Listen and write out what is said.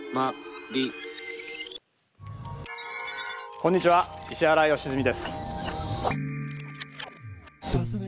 こんにちは石原良純です。